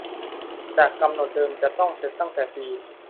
จากกำหนดเดิมจะต้องเสร็จตั้งแต่ปี